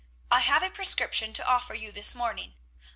"I have a prescription to offer you this morning.